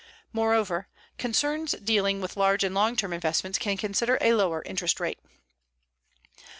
Moreover, concerns dealing with large and long term investments can consider a lower interest rate.